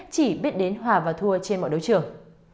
chỉ biết đến hòa và thua trên mọi đấu trường